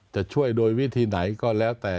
จะช่วยโดยวิธีไหนก็แล้วแต่